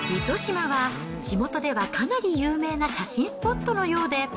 糸島は、地元ではかなり有名な写真スポットのようで。